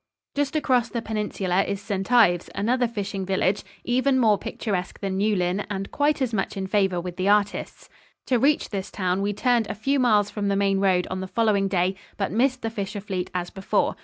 Just across the peninsula is St. Ives, another fishing village, even more picturesque than Newlyn and quite as much in favor with the artists. To reach this town we turned a few miles from the main road on the following day, but missed the fisher fleet as before.